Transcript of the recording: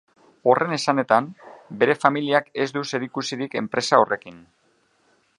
Horren esanetan, bere familiak ez du zerikusirik enpresa horrekin.